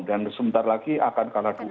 dan sebentar lagi akan kalah dukungan